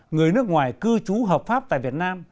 người nước ngoài cư trú hợp pháp tại việt nam